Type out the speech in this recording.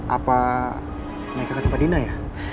apa mereka ketempat dina ya